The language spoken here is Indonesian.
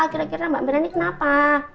kira kira mbak mirani kenapa